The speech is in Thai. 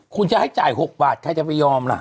คุณจะให้จ่าย๖บาทใครจะไปยอมล่ะ